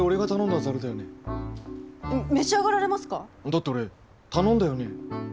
だって俺頼んだよね？